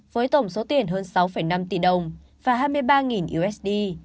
với tổng số tiền hơn sáu năm tỷ đồng và hai mươi ba usd